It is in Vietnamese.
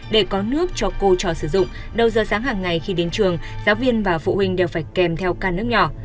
để có nước cho cô trò sử dụng đầu giờ sáng hàng ngày khi đến trường giáo viên và phụ huynh đều phải kèm theo ca nước nhỏ